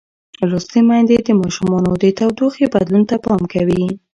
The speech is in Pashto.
لوستې میندې د ماشومانو د تودوخې بدلون ته پام کوي.